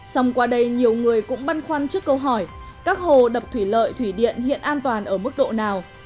xong qua đây nhiều người cũng băn khoăn trước câu hỏi các hồ đập thủy lợi thủy điện hiện an toàn ở mức độ nào